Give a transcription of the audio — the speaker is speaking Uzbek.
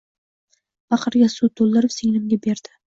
Paqirga suv toʻldirib singlimga berdi.